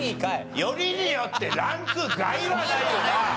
よりによってランク外はないよな。